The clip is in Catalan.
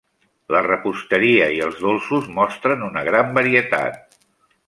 La repostería i els dolços mostren una gran varietat.